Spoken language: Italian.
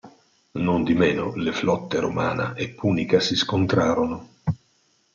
Nondimeno le flotte romana e punica si scontrarono.